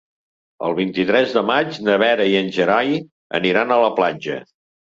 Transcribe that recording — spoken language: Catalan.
El vint-i-tres de maig na Vera i en Gerai aniran a la platja.